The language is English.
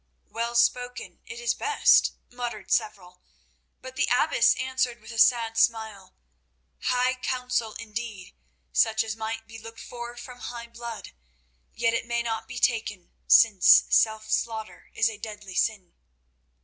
"Well spoken; it is best," muttered several. But the abbess answered with a sad smile: "High counsel indeed, such as might be looked for from high blood. Yet it may not be taken, since self slaughter is a deadly sin."